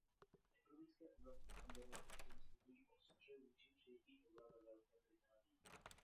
V ekonomické oblasti konzervativci vystupují ostře vůči přijetí eura ve Velké Británii.